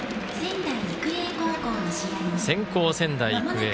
先攻、仙台育英。